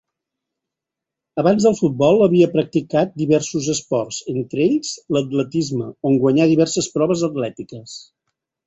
Abans del futbol havia practicat diversos esports, entre ells l'atletisme on guanyà diverses proves atlètiques.